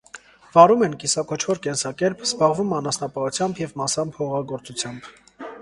Վարում են կիսաքոչվոր կենսակերպ, զբաղվում անասնապահությամբ և, մասամբ, հողագործությամբ։